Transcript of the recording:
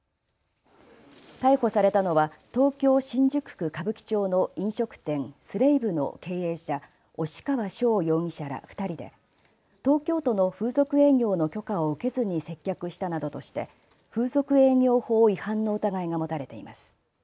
逮捕されたのは東京新宿区歌舞伎町の飲食店、Ｓｌａｖｅの経営者、押川翔容疑者ら２人で東京都の風俗営業の許可を受けずに接客したなどとして風俗営業法違反の疑いが持たれています。